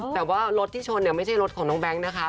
แต่ว่ารถที่ชนเนี่ยไม่ใช่รถของน้องแบงค์นะคะ